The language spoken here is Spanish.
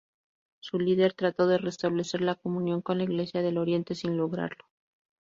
Su líder trató de restablecer la comunión con la Iglesia del Oriente, sin lograrlo.